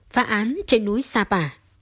phá án trên núi sapa